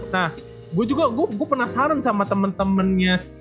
nah gue juga gue penasaran sama temen temennya si